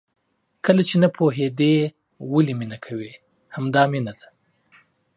کله چې نه پوهېدې ولې مینه کوې؟ همدا مینه ده.